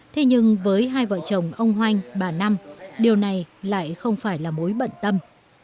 thế nhưng với hai vợ chồng ông hoành bà năm điều này lại không phải là mối bận tâm